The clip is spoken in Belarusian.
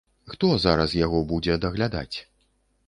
Хто зараз яго будзе даглядаць?